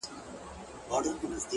هر څه پر خپل وخت ښه خوند کوي.